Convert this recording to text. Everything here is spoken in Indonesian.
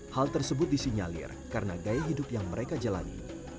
hal tersebut disinyalir karena gaya hidup yang mereka jalani